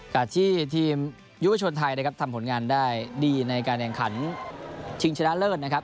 ที่ทีมยุวชนไทยนะครับทำผลงานได้ดีในการแข่งขันชิงชนะเลิศนะครับ